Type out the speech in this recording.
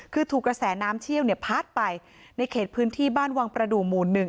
คือถูกกระแสน้ำเชี่ยวเนี่ยพัดไปในเขตพื้นที่บ้านวังประดูกหมู่หนึ่ง